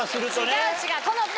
違う違う。